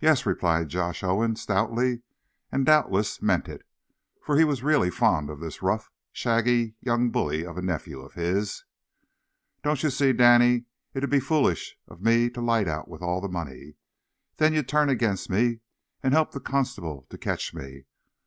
"Yes!" replied Josh Owen, stoutly, and doubtless meant it, for he was really fond of this rough, shaggy young bully of a nephew of his. "Don't ye see, Danny, it'd be foolish of me to light out with all the money? Then ye'd turn against me, an' help the constables to catch me.